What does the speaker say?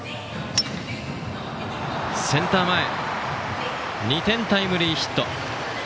センター前へ２点タイムリーヒット。